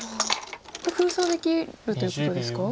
封鎖できるということですか？